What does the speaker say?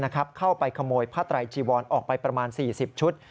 เข้าไปขโมยผ้าไตรจีวอนออกไปประมาณ๔๐ชุด